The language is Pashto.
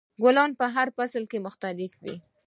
ګلان په هر فصل کې مختلف وي.